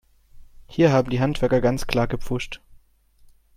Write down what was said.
Hier haben die Handwerker ganz klar gepfuscht.